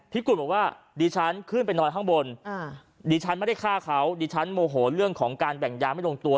กุฎบอกว่าดิฉันขึ้นไปนอนข้างบนดิฉันไม่ได้ฆ่าเขาดิฉันโมโหเรื่องของการแบ่งยาไม่ลงตัว